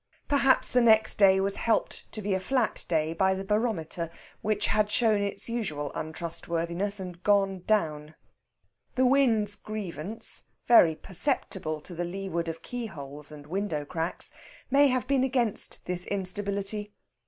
Perhaps the next day was helped to be a flat day by the barometer, which had shown its usual untrustworthiness and gone down. The wind's grievance very perceptible to the leeward of keyholes and window cracks may have been against this instability.